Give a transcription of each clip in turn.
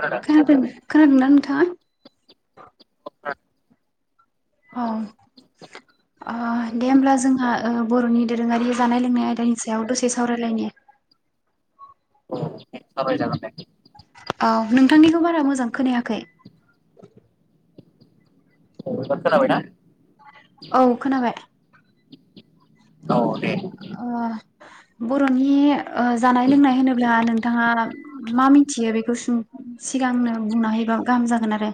खोनादों? खोनादोना-खोनादोंना नों थाङा औ अ दे होमब्ला जोंहा बर'नि दोरोङारि जानाय लोंनाय आयदानि सायाव दसे सावरायलायनि औ सावरायजागोनदे औ नोंथांनिखौ बारा मोजां खोनायाखै औ खोनाबायना औ खोनाबाय औ दे ओ बर'नि अ जानाय लोंनाय होनोब्ला नों थाङा मा मिथियो बेखौ सिगांनो बुंना होायोबा गाहाम जागोन आरो।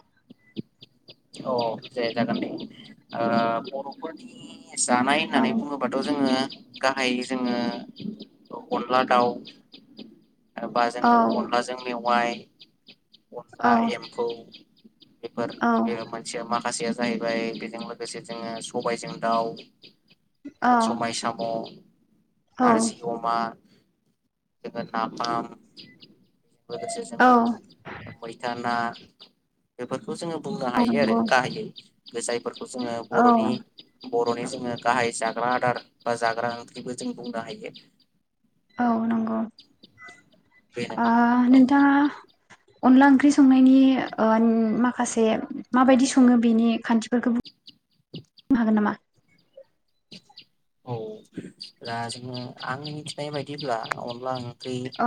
औ जे जागोन दे ओ बर'फोरनि जानाय औ होननानै बुङोबाथ' जोङो गाहायै जोङो अनला दाउ बा जोङो अनलाजों मेवाइ औ अनला एम्फौ बेफोर औ बे मानसिया माखासे जाहैबाय बेजों लोगोसे जोङो सबायजों दाउ समाय साम' औ नारजि अमा नाफाम लोगोसे औ जोङो मैथा, ना बेफोरखौ जोङो बुंनो औ हायो आरो नंगौ गाहायै। बे जायफोरखौ जोङो औ बर'नि बर'नि जोङो गाहाय जाग्रा आदार बा जाग्रा ओंख्रिबो जों बुंनो हायो। औ नंगौ। बेनो ओ नोंथां नोंथाङा अनला ओंख्रि संनायनि ओ माखासे माबायदि सङो बेनि खान्थिफोरखौ बुंनो हागोन नामा? औ दा जोङो आं मिथिनाय बायदिब्ला अनला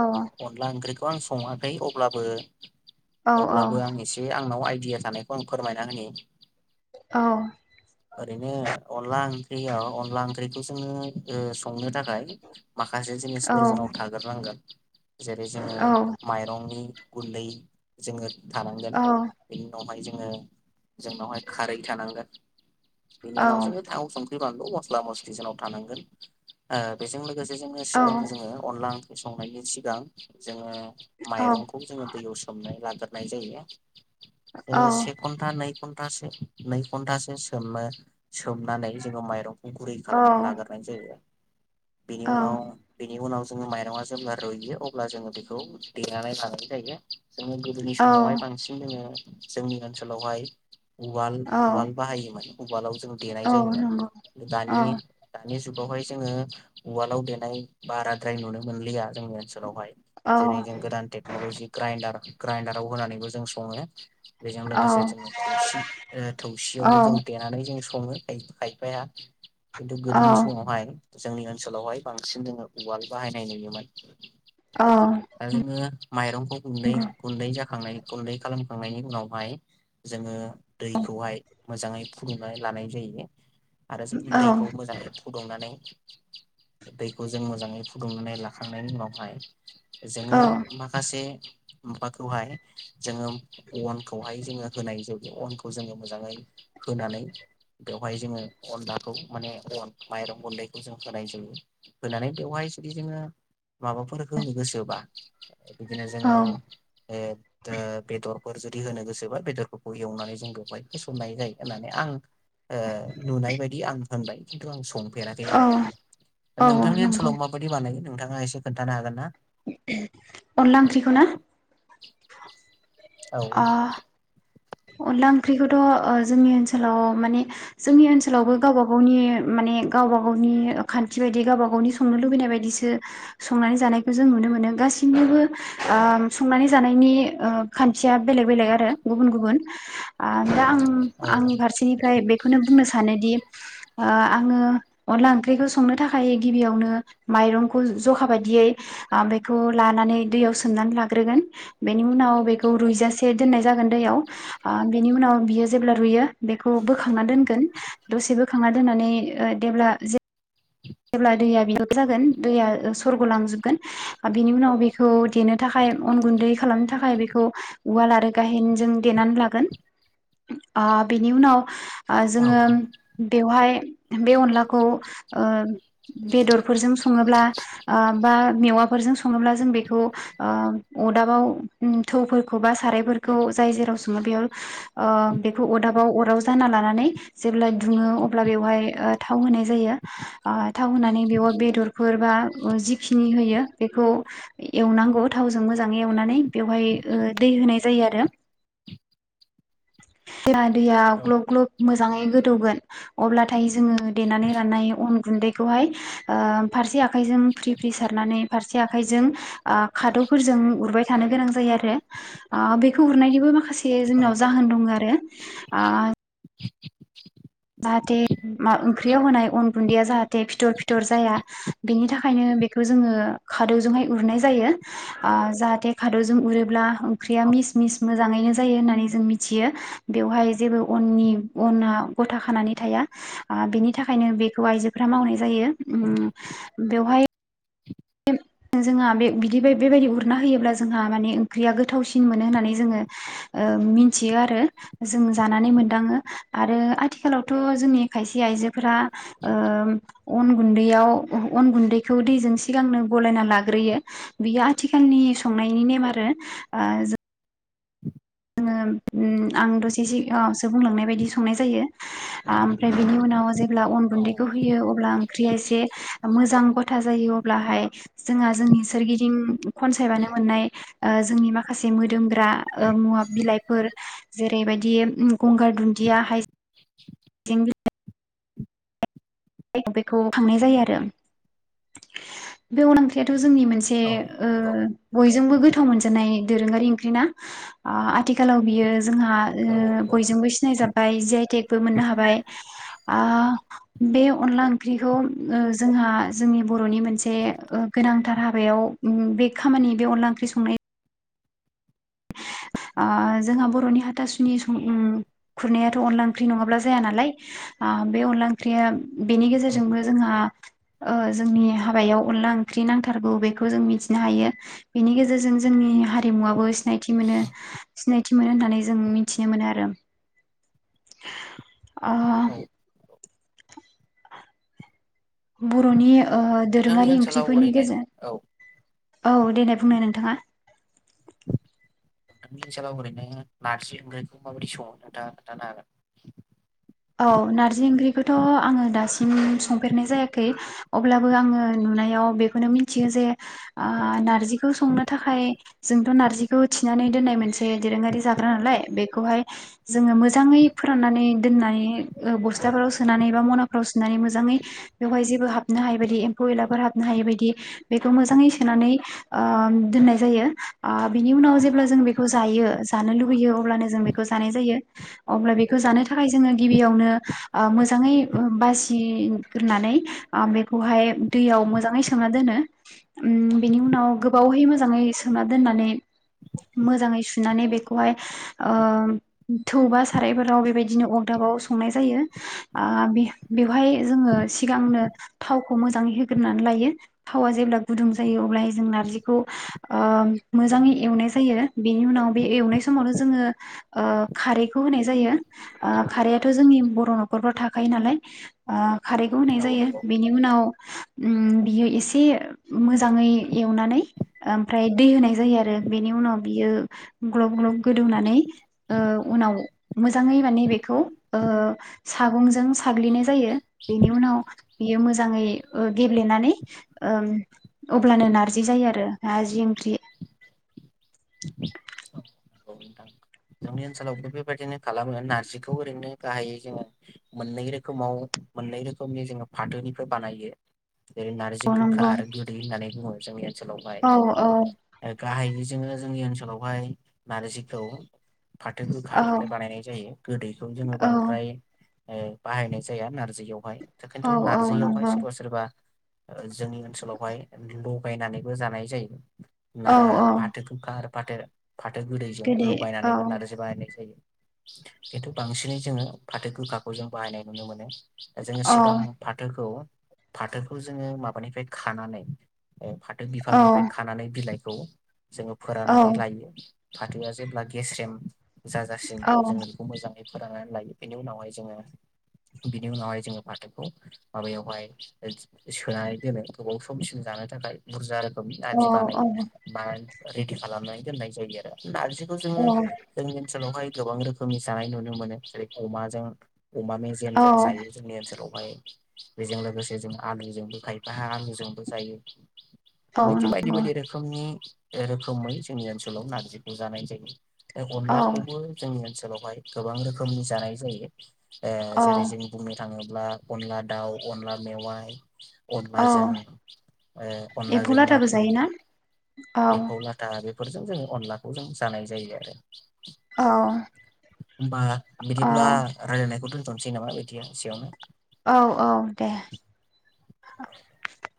औ अनला ओंख्रि आं सङाखै अब्लाबो औ अब्लाबो आं एसे आंनाव आइ [unintelligible] आं फोरमायना होनि। औ। ओरैनो अनला ओंख्रियाव अनला ओंख्रिखौ जोङो ओ संनो थाखाय माखासे औ जिनिसफोर जोंनाव थाग्रोनांगोन। जेरै जोङो औ माइरंनि गुन्दै जोङो औ थानांगोन बेनि उनावहाय जों [unintelligible] जोंनावहाय खारै थानांगोन। बिनि उनाव थाव संख्रि [unintelligible] मस्ला मस्लि थांगोन ओ बेजों लोग लोगोसे जोनो औ सिगां जोङो अनला संनायनि सिगां जोङो माइरंखौ जोङो दैयाव सोमनाय ला नाय जायो जोङो औ से घन्टा नै घन नै घन्टासो सोमो सोमनानै जोङो माइरं खालामनानै लाग्रोनाय जायो बिनि उनाव बिनि उनाव जोङो माइरआ जेब्ला रुइयो अब्ला जोङो बेखौ देनानै लानाय जायो जोङो गोदोनि औ समावहाय बांसिन जोङो जोंनि ओनसोलावहाय उवाल औ उवाल बाहायोमोन उवालाव जों देनाय औ जायोमोन नंगौ औ दानि दानि जुगावहाय जोङो उवालाव देनाय बाराद्राय नुनो मोनलिया जोंनि ओनस लावहाय औ जेरै जों गोदान टेक्न'लजि ग्राइनडार ग्राइनडाराव होनानैबो जों सङो बेजों औ लोगोसे जोङो थौसि थौसियावबो जों नंगौ देनानै जों स सङो खाय-खाफाया खिन्थु गोदोनि समावहाय जोंनि ओनसोलावहाय बांसिन जोङो उवाल बाहायनाय नुयोमोन औ औ दा जोङो माइरंखौ गुन्दै गुन्दै जाखांनायनि गुन्दै खालामखांनायनि उनावहाय जोङो दैखौहाय मोजाङै फुदुंनानै लानाय जायो आरो जों दै खौ मोजाङै फुदुंनानै दैखौ जों मोजाङै फु फुदुंनानै लाखांनायनि उनावहाय जोङो माखासे माबाखौहाय जोङो अनखौहाय जोङो होनाय जायो अनखौ जोङो मोजाङै होनानै बेवहाय जोङो अनलाखौ माने अन माइरं गुन्दैखौ जों होनाय जायो होनानै बेवहाय जुदि नोङो माबाफोर होनो गोसोबा बिदिनो जोङो औ ओ बेदर फोर जुदि होनो गोसोबा बेदरफोरखौ एवनानै जों बेवहाय थिसननाय जायो होननानै आं ओ नुनाय बायदि आं होनबाय खिन्थु आं सं फेराखै आरो औ नोंथांनि नंगौ ओनसोलाव माबायदि बानायो नोंथांङा एसे खोन्थानो हागोन ना अनला ओंख्रिखौना औ अनला ओंख्रिखौथ' जोंनि ओनसोलाव माने जोंनि ओनसोलावबो गावबा गावनि माने गावबा गावनि खान्थि बायदि गावबा गावनि संनो लुबैनाय बायदिसो संनानै जानायखौ जों नुनो मोनो गासैनिबो संनानै जानायनि खान्थिया बेलेग बेलेग आरो गुबुन गुबुन आ दा आं आंनि फारसेनिफ्राय बेखौनो बुंनो सान सानोदि ओ आंङो अनला ओंख्रिखौ संनो थाखाय गिबियावनो माइरंखौ जखा बायदियै बेखौ लानानै दैयाव सोमनानै लाग्रोगोन बेनि उनाव बेखौ रुइजासे दोननाय जागोन दैयाव ओ बेनि उनाव बियो जेब्ला रुयो बेखौ बोखांना दोनगोन दसे बोखांना दोननानै जेब्ला जे जेब्ला दैया [unintelligible] जागोन दैया सरग लांजोबगोन बिनि उनाव बेखौ देनो थाखाय अन गुन्दै खालाम थाखाय बेखौ उवाल आरो गाहेनजों देनानै लागोन ओ बेनि उनाव ओ औ जोंङो बेवहाय बे अनलाखौ ओ बेदरफोरजों संङोब्ला ओ बा मेवाफोरजों संङोब्ला जों बेखौ ओ अरदाबाव थौफोरखौ बा सारायफोरखौ जाय जेराव संङो बेयाव बेखौ ओ अरदाबाव अराव जाना लानानै जेब्ला दुङो अब्ला बेवहाय थाव होनाय जायो आ थाव होनानै बेयाव बेदरफोर बा जिखिनि होयो बेखौ एवनांगौ थावजों मोजांङै एवनानै बेवहाय ओ दै होनाय जायो आरो जा दैया औ ग्लब ग्लब मोजांङै गोदौगोन अब्लाथाय जोंङो देनानै राननाय अन गुन्दैखौहाय ओ फारसे आखाइजों फ्रि फ्रि सारनानै फारसे आखाइजों ओ खादौफोरजों उरबाय थानो गोनां जायो आरो ओ बेखौ उरनायनिबो माखासे औ जोंनाव जाहोन दं आरो ओ जाहाथे मा ओंख्रियाव होनाय अन गुन्दैया जाहाथे फिथर फिथर जाया बेनि थाखायनो बेखौ जोङो खादौजोंहाय उरनाय जायो ओ जाहाथे खादौजों उरोब्ला ओंख्रिया मिस मिस मोजांङैनो जायो होननानै जों मिथियो बेवहाय जेबो अननि अना गथा खानानै थाया ओ बिनि थाखायनो बेखौ आइजोफ्रा मावनाय जायो उम बेवहाय जोंहा बे बिदि बेबायदि उरना होयोब्ला जोंहा माने ओंख्रिया गोथावसिन मोनो होननानै जोंङो ओ मिथियो आरो जों जानानै मोनदाङो आरो आथिखालावथ जोंनि खायसे आइजोफोरा ओ अन गुन्दैयाव अन गुन्दैखौ दैजों सिगांनो गलायना लाग्रोयो बियो आथिखालनि संनायनि नेम आरो ओ जों जोंङो ओ आं दसे सिगांआवसो बुंलांनाय बायदि संनाय जायो ओ ओमफ्राय बेनि उनाव जेब्ला अन औ गुन्दैखौ होयो अब्ला ओंख्रिया एसे मोजां गथा जायो अब्लाहाय जोंहा जोंनि सोरगिदिं खनसायबानो मोननाय ओ जोंनि माखासे मोदोमग्रा मुवा फ बिलाइफोर जेरैबायदि ओ गंगार दुन्दिया हाइ जें बिलाइ बेखौ खांनाय जायो आरो बेवनो ओंख्रियाथ जोंनि मोनसे औ ओ नंगौ बयजोंबो गोथाव मोनजानाय दोरोंङारि ओंख्रि ना ओ आथिखालाव बियो जोंहा औ ओ नंगौ बयजोंबो सिनाय जाब जि आइ टेकबो मोननो हाबाय आ बे अनला ओंख्रिखौ ओ जोंहा जोंनि बरनि मोनसे ओ गोनांथार हाबायाव उम बे खामानि बे अनला ओंख्रि संनाय ओ जोंहा बरनि हाथासुनि सं उम खुरनायाथ अनला ओंख्रि नंङाब्ला जाया नालाय ओ बे अनला ओंख्रिया बेनि औ गेजेरजोंबो नंगौ औ जोंहा ओ जोंनि हाबायाव अनला ओंख्रि नांथारगौ बेखौ जों मिथिनो हायो बेनि गेजेरजों जोंनि हारिमुवाबो सि नायथि मोनो सिनायथि मोनो होननानै जों मिथिनो मोनो आरो अ बरनि ओ नोंथांनि दोरोङारि ओनसोलाव ओंख्रिफोरनि ओरैनो गेजे औ औ देनाय बुंनाय नोंथाङा। नोंनि ओनसोलाव ओरैनो नारजि ओंख्रिखौ माबायदि सङो नोंथाङा खोनथानो हागोन? औ नारजि ओंख्रिखौथ' आङो दासिम संफेरनाय जायाखै अब्लाबो आङो नुनायाव बेखौनो मिथियो जे ओ नार्जिखौ संनो थाखाय जोंथ' नार्जिखौ थिनानै दोननाय मोनसे दोरोङारि जाग्रा नालाय बेखौहाय जोङो मोजाङै फोराननानै दोननाय नै ओ बसथाफोराव सोनानै बा मनाफ्राव सोननानै मोजाङै बेहाय जेबो हाबनो हायै बायदि एम्फौ एलाफोर हाबनो हायै बायदि बेखौ मोजाङै सोनानै ओ दोननाय जायो। ओ बिनि उनाव जेब्ला जों बेखौ जायो जानो लुबैयो अब्लानो जों बेखौ जानाय जायो अब्ला बेखौ जानो थाखाय जोङो गिबियावनो ओ मोजाङै बासिग्रोननानै ओ बेखौहाय दैयाव मोजाङै सोमना दोनो। उम बेनि उनाव गोबावहै मोजाङै सोमना दोननानै मोजाङै सुनानै बेखौहाय ओ थौबा सारायफोराव बेबायदिनो अदाबाव संनाय जायो। आ बे बेवहाय जोङो सिगांनो थावखौ मोजाङै होग्रोनानै लायो। थावा जेब्ला गुदुं जायो अब्लाहाय जों नारजिखौ ओ मोजाङै एवनाय जायो। बेनि उनाव बे एवनाय समावनो जोङो ओ खारैखौ होनाय जायो। ओ खारैआथ' जोंनि बर' नखरफ्राव थाखायो नालाय ओ खारैखौ होनाय हागोन औ जायो। नंगौ बिनि उनाव उम बियो एसे मोजाङै एवनानै ओमफ्राय दै होनाय जायो आरो बेनि उनाव बियो ग्लब ग्लब गोदौनानै ओ उनाव मोजाङै माने बे बेखौ ओ सागंजों साग्लिनाय जायो। बेनि उनाव बियो मोजाङै ओ गेब्लेनानै ओ अब्लानो नारजि जायो आरो नार्जि ओंख्रि औ नंगौ नोंथां जोंनि ओनसोलावबो बेबायदिनो खालामो नारजिखौ ओरैनो गाहायै जोङो मोननै रोखोमाव मोननै रोखोमनि जोङो फाथोनिफ्राय बानायो जेरै नारजि औ गोखा नंगौ आरो गोदै होननानै बुङो। जोंनि ओनसोलावहाय औ औ ओ गाहाइयै जोङो जोंनि ओनसोलावहाय नारजिखौ फाथो औ गोखानिफ्राय बानायनाय जायो। गोदैखौ जोङो औ बांद्राय बाहायनाय जाया नारजियावहाय। दा औ खिन्थु औ नारजियावहाय नंगौ सोरबा सोरबा जोंनि ओनसोलावहाय लगायनानैबो जानाय जायो। ना औ औ फाथो गोखा आरो फाथो फाथो गोदैजों गोदै औ लगायनानै नारजि बाहायनाय जायो। खिन्थु बांसिनै जोङो फाथो गोखाखौ जों बाहायनाय नुनो मोनो। जोङो औ सिगां फाथोखौ फाथोखौ जोङो माबानिफ्राय खानानै उम फाथो औ बिफांनिफ्राय खानानै बिलाइ [unintelligible] जोङो औ फोराननानै लायो। फाथोआ जेब्ला गेस्रेम जाजासिम औ जोङो बेखौ मोजां फोराननानै लायो। बेनि उनावहाय जोङो बिनि उनावहाय जोङो फाथोखौ माबायावहाय सोनानै दोनो गोबाव समसिम जानो थाखाय बुरजा नारजि औ बानायो, बानाय रेदि खालामनानै दोननाय जायो आरो नारजि जोङो औ जोंनि ओनसोलावहाय गोबां रोखोमनि जानाय नुनो मोनो जेरै अमाजों अमा मेजेम औ जों जायो जोंनि ओनसोलाव ओमफाय बेजों लोगोसे जों आलुजोंबो खायफा आलुजोंबो जायो। औ बेदि बायदि नंगौ बायदि रोखोमनि बे रोखोमै जोंनि ओनसोलाव नारजिखौ जानाय जायो। बे औ अनलाखौबो जोंनि ओनसो लावहाय गोबां रोखोमनि जानाय जायो। ओ औ जेरै जों बुंनो थाङोब्ला अनला दाउ अनला मेवाइ औ अनलाजों ओ एम्फौ अनलाजों लाथाबो नाथुर जायोना औ एम्फौ लाथा फोरजों जोङो अनलाखौ जों जानाय जायो आरो। औ होमबा बिदिब्ला औ रायलायनायखौ दोन थ'नोसै नामा बिदिया एसेयावनो। औ औ दे। औ